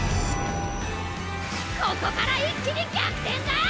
ここから一気に逆転だ！